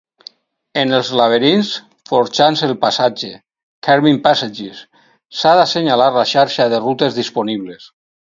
En els laberints "forjant-se el passatge" (carving passages), s'ha d'assenyalar la xarxa de rutes disponibles.